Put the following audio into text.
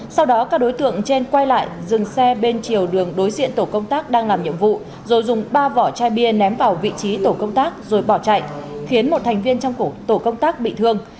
sau đó các đối tượng trên quay lại dừng xe bên chiều đường đối diện tổ công tác đang làm nhiệm vụ rồi dùng ba vỏ chai bia ném vào vị trí tổ công tác rồi bỏ chạy khiến một thành viên trong tổ công tác bị thương